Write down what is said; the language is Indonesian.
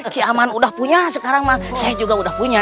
kiaman sudah punya sekarang saya juga sudah punya